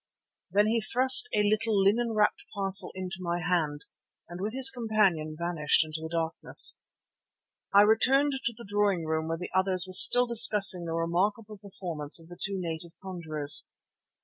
Then he thrust a little linen wrapped parcel into my hand and with his companion vanished into the darkness. I returned to the drawing room where the others were still discussing the remarkable performance of the two native conjurers.